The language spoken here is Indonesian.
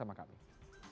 terima kasih banyak